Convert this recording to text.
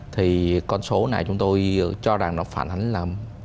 thì con số này chúng tôi cho rằng nó phản ánh là mức độ hoảng loạn